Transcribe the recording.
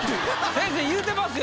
先生言うてますよ